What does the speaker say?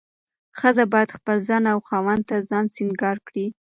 ښځه باید خپل ځان او خاوند ته ځان سينګار کړي.